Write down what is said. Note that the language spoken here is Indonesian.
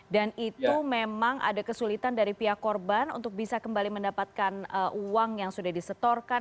dan itu memang ada kesulitan dari pihak korban untuk bisa kembali mendapatkan uang yang sudah disetorkan